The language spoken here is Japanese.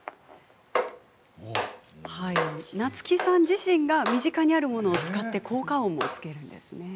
夏木さん自身が身近にあるものを使って効果音もつけます。